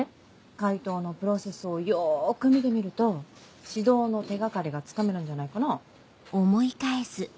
解答のプロセスをよく見てみると指導の手掛かりがつかめるんじゃないかな。